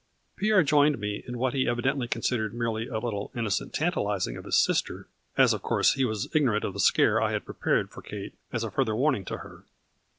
Pierre joined me in what he evidently considered merely a little innocent tantalizing of his sister, as of course he was ignorant of the scare I had prepared for Kate as a further warning to her.